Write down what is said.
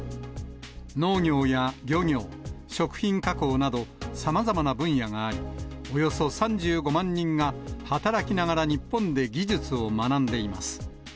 農業や漁業、食品加工などさまざまな分野があり、およそ３５万人が働きながら日本で技術を学んでいます。